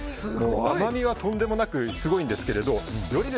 甘みはとんでもなくすごいんですけどより